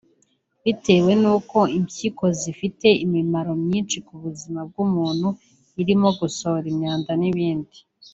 bitewe n’uko impyiko zifite imimaro myinshi ku buzima bw’umuntu irimo gusohora imyanda n’ibindi